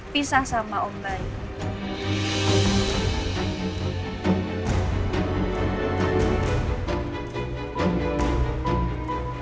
bisa sama om baiknya